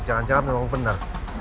jangan jangan memang benar